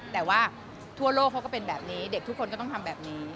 แต่ว่าทั่วโลกเขาก็เป็นแบบนี้เด็กทุกคนก็ต้องทำแบบนี้